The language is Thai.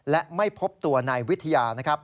และไม่พบตัวนายวิทยา